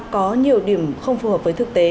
có nhiều điểm không phù hợp với thực tế